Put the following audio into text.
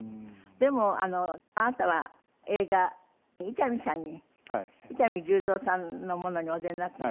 でもあなたは映画伊丹さんに伊丹十三さんのものにお出になったの？